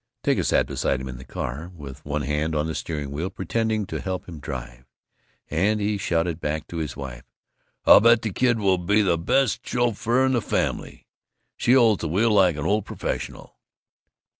Tinka sat beside him in the car, with one hand on the steering wheel, pretending to help him drive, and he shouted back to his wife, "I'll bet the kid will be the best chuffer in the family! She holds the wheel like an old professional!"